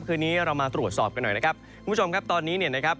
คืนนี้เรามาตรวจสอบกันหน่อยนะครับคุณผู้ชมครับตอนนี้เนี่ยนะครับ